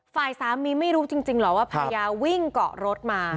ฝ่ายสามีไม่รู้จริงเหรอว่าภรรยาวิ่งเกาะรถมา